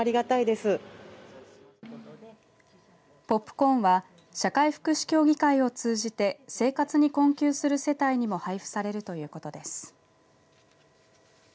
ポップコーンは社会福祉協議会を通じて生活に困窮する世帯にも配布されるということです。